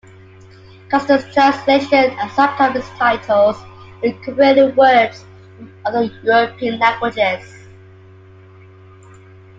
Caxton's translations and sometimes his titles incorporated words from other European languages.